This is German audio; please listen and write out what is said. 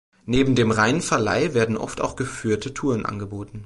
Neben dem reinen Verleih werden oft auch geführte Touren angeboten.